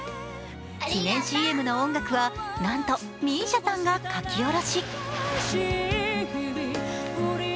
記念ＣＭの音楽はなんとＭＩＳＩＡさんが書き下ろし。